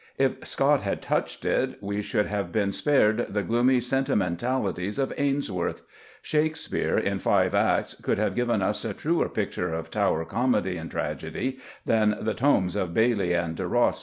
If Scott had touched it we should have been spared the gloomy sentimentalities of Ainsworth; Shakespeare, in five acts, could have given us a truer picture of Tower comedy and tragedy than the tomes of Bayley and De Ros.